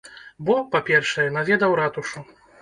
Бо, па-першае, наведаў ратушу.